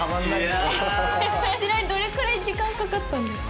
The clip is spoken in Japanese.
ちなみにどれくらい時間かかったんですか？